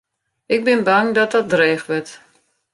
Ik bin bang dat dat dreech wurdt.